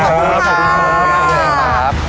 ขอบคุณค่ะ